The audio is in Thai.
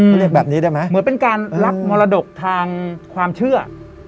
เขาเรียกแบบนี้ได้ไหมเหมือนเป็นการรับมรดกทางความเชื่อ